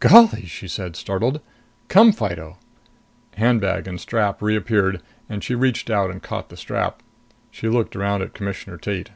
"Golly!" she said, startled. "Come, Fido!" Handbag and strap reappeared and she reached out and caught the strap. She looked around at Commissioner Tate.